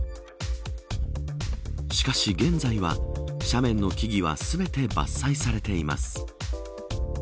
しかし現在は斜面の木々は全て伐採されています。